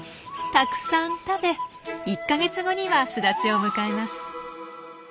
たくさん食べ１か月後には巣立ちを迎えます。